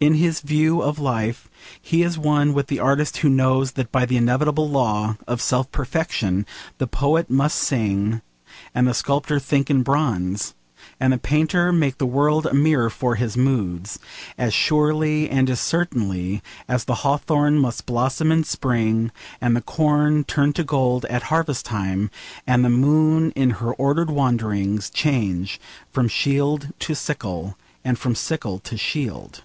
In his view of life he is one with the artist who knows that by the inevitable law of self perfection, the poet must sing, and the sculptor think in bronze, and the painter make the world a mirror for his moods, as surely and as certainly as the hawthorn must blossom in spring, and the corn turn to gold at harvest time, and the moon in her ordered wanderings change from shield to sickle, and from sickle to shield.